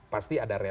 pasti ada pemerintah